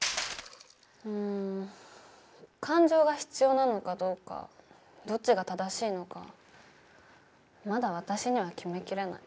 うん感情が必要なのかどうかどっちが正しいのかまだ私には決めきれない。